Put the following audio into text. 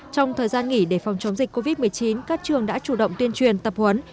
trong thời gian nghỉ để phòng chống dịch covid một mươi chín các trường đã chủ động tuyên truyền tập huấn